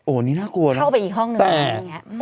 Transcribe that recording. โอ้นี่น่ากลัวนะครับเข้าไปอีกห้องหนึ่งแบบเนี้ย